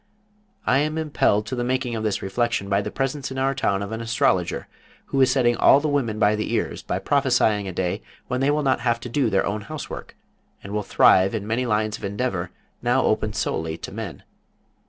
I am impelled to the making of this reflection by the presence in our town of an Astrologer who is setting all the women by the ears by prophesying a day when they will not have to do their own housework, and will thrive in many lines of endeavor now open solely to men.